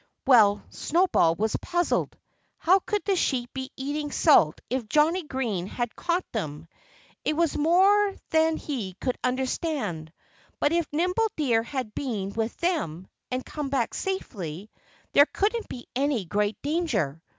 Well, Snowball was puzzled. How could the sheep be eating salt if Johnnie Green had caught them? It was more than he could understand. But if Nimble Deer had been with them and come back safely there couldn't be any great danger.